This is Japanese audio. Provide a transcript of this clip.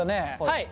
はい。